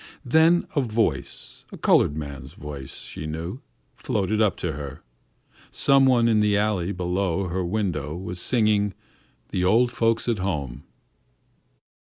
Then a voice, a colored man's voice, she knew, floated up to her. Some one in the alley below her window was singing "The Old Folks at Home."